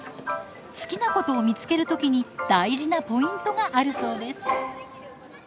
好きなことを見つける時に大事なポイントがあるそうです。